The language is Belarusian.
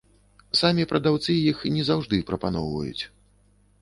Самі прадаўцы іх не заўжды прапаноўваюць.